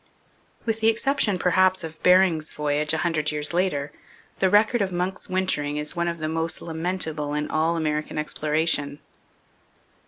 With the exception, perhaps, of Bering's voyage a hundred years later, the record of Munck's wintering is one of the most lamentable in all American exploration.